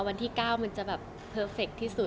วันที่๙มันจะแบบเพอร์เฟคที่สุด